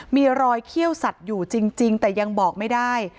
มีรอยเขี้ยวสัตว์อยู่จริงแต่ยังบอกไม่ได้